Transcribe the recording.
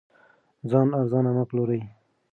ځان ارزانه مه پلورئ.